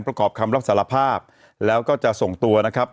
ประกอบคำรับสารภาพแล้วก็จะส่งตัวนะครับ